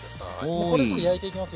もうこれですぐ焼いていきますよ。